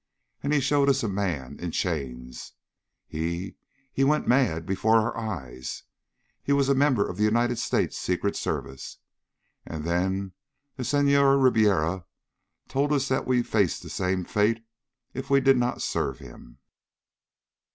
And he showed us a man, in chains. He he went mad before our eyes. He was a member of the United States Secret Service.... And then the Senhor Ribiera told us that we faced the same fate if we did not serve him...."